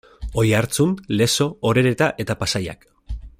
Oiartzun, Lezo, Orereta eta Pasaiak.